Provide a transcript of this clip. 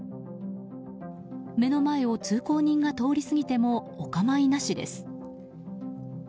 目の前を通行人が通り過ぎてもお構いなしです。